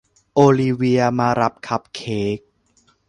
โอลิเวียมารับคัพเค้ก